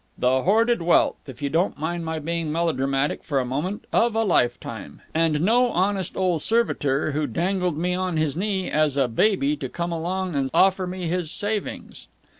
"The hoarded wealth, if you don't mind my being melodramatic for a moment, of a lifetime. And no honest old servitor who dangled me on his knee as a baby to come along and offer me his savings!